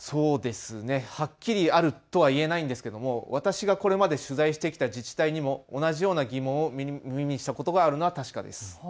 はっきりあるとは言えないんですが私がこれまで取材してきた自治体にも同じような疑問を耳にしたことがあるのは確かです。